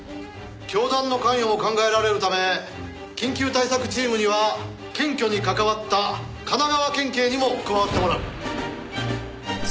教団の関与も考えられるため緊急対策チームには検挙に関わった神奈川県警にも加わってもらう。